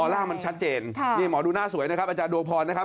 ร่างมันชัดเจนนี่หมอดูหน้าสวยนะครับอาจารย์ดวงพรนะครับ